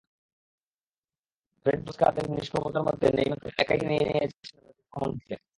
ফ্রেড-জো-অস্কারদের নিষ্প্রভতার মধ্যে নেইমার প্রায় একাই টেনে নিয়ে যাচ্ছিলেন ব্রাজিলের আক্রমণভাগকে।